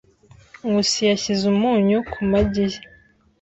Nkusi yashyize umunyu ku magi ye.